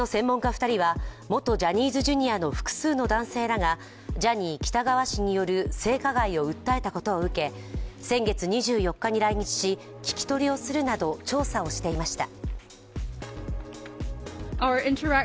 ２人は元ジャニーズＪｒ．の複数の男性らがジャニー喜多川氏による性加害を訴えたことを受け、先月２４日に来日し、聞き取りをするなど調査をしていました。